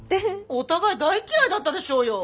お互い大嫌いだったでしょうよ！